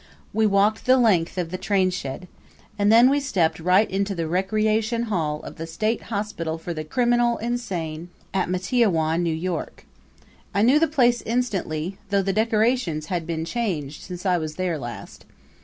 We walked the length of the trainshed and then we stepped right into the recreation hall of the State Hospital for the Criminal Insane, at Matteawan, New York. I knew the place instantly, though the decorations had been changed since I was there last.